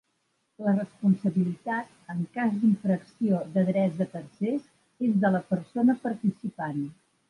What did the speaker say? La responsabilitat en cas d'infracció de drets de tercers és de la persona participant.